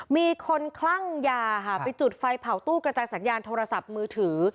มีคนคลั่งยาค่ะไปจุดไฟเผาตู้กระจายสัญญาณโทรศัพท์มือถือ